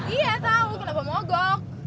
iya tau kenapa mogok